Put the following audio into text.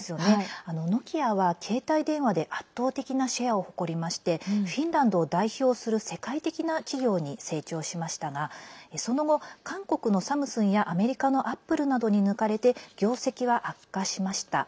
ノキアは携帯電話で圧倒的なシェアを誇りましてフィンランドを代表する世界的な企業に成長しましたがその後、韓国のサムスンやアメリカのアップルなどに抜かれて業績は悪化しました。